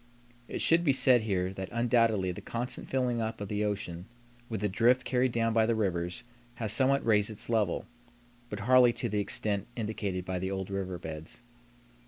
It should be said here that undoubtedly the constant filling up of the ocean with the drift carried down by the rivers has somewhat raised its level, but hardly to the extent indicated by the old river beds.